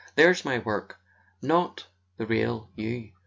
"There's my work." "Not the real you.